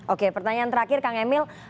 oke pertanyaan terakhir kang emil